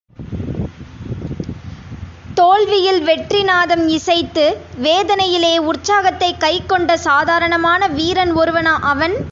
தோல்வியில் வெற்றி நாதம் இசைத்து, வேதனையிலே உற்சாகத்தைக் கைக்கொண்ட சாதாரணமான வீரன் ஒருவனா அவன்?